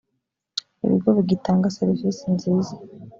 ibigo bigitanga serivisi nziza.